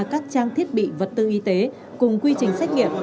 các trang thiết bị vật tư y tế cùng quy trình xét nghiệm